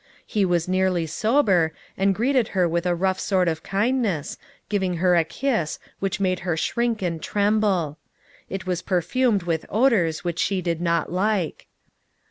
He was nearly sober, and greeted her with a rough sort of kindness, giving her a kiss, which made her shrink and tremble. It was perfumed with odors which she did not like.